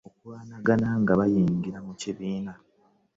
Okulwanahana nga bayingira ekibiina.